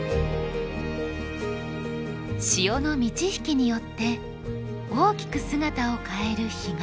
潮の満ち引きによって大きく姿を変える干潟。